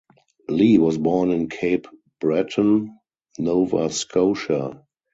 Lee was born in Cape Breton, Nova Scotia.